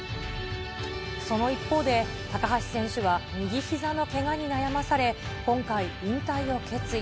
その一方で、高橋選手は右ひざのけがに悩まされ、今回、引退を決意。